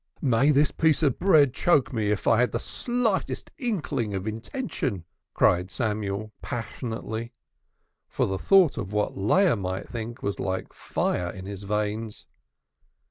"May this piece of bread choke me if I had the slightest iota of intention!" cried Samuel passionately, for the thought of what Leah might think was like fire in his veins.